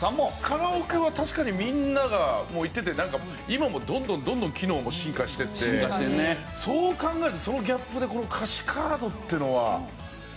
カラオケは確かにみんなが行っててなんか今もどんどんどんどん機能も進化していってそう考えるとそのギャップでこの歌詞カードっていうのは。